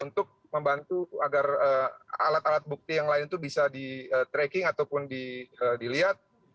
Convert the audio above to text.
untuk membantu agar alat alat bukti yang lain itu bisa di tracking ataupun dilihat